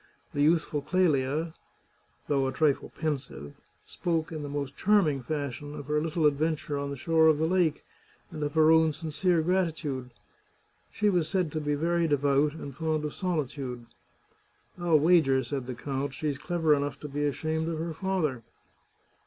The youthful Clelia, though a trifle pensive, spoke in the most charming fashion of her little adventure on the shore of the lake, and of her own sincere gratitude. She was said to be very devout and fond of solitude. " Til wager," said the count, " she's clever enough to be ashamed of her father